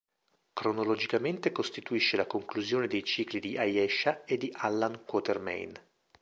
Cronologicamente, costituisce la conclusione dei cicli di Ayesha e di Allan Quatermain.